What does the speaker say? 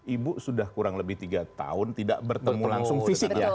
ibu sudah kurang lebih tiga tahun tidak bertemu langsung